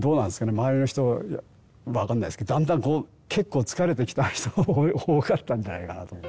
周りの人分かんないですけどだんだんこう結構疲れてきた人も多かったんじゃないかなと思う。